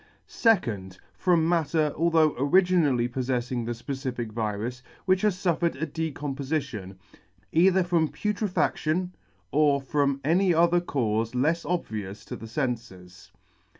2dly. From matter (although originally poflefting the fpecific virus) which has fuffered a decompofition, either from putre faction or from any other caufe lefs obvious to the fenfes.